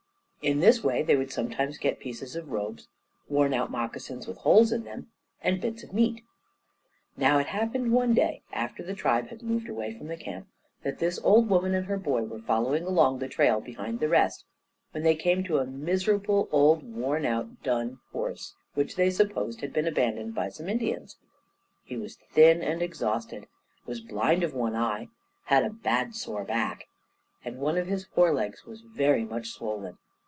In this way they would sometimes get pieces of robes, wornout moccasins with holes in them, and bits of meat. Now, it happened one day, after the tribe had moved away from the camp, that this old woman and her boy were following along the trail behind the rest, when they came to a miserable old wornout dun horse, which they supposed had been abandoned by some Indians. He was thin and exhausted, was blind of one eye, had a bad sore back, and one of his forelegs was very much swollen.